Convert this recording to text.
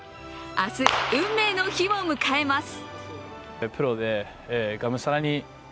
明日、運命の日を迎えます。